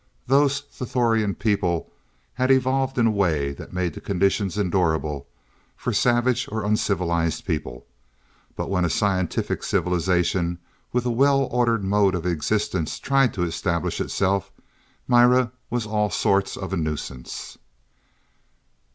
Those Sthorian people had evolved in a way that made the conditions endurable for savage or uncivilized people, but when a scientific civilization with a well ordered mode of existence tried to establish itself, Mira was all sorts of a nuisance.